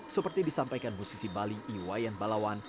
seperti disampaikan musisi bali iwayan balawan